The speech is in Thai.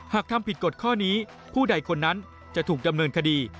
หากทำผิดกฎข้อนี้ผู้ใดคนนั้นจะถูกดำเนินคดี